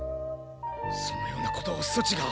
そのようなことをそちが。